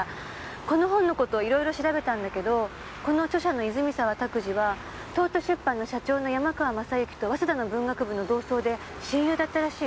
この本のこといろいろ調べたんだけどこの著者の泉沢卓司は東都出版の社長の山川雅行と早稲田の文学部の同窓で親友だったらしいわ。